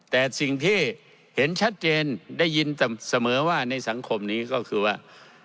แต่สิ่งที่เห็นชัดเจนได้ยินเสมอว่าในสังคมนี้ก็คือว่า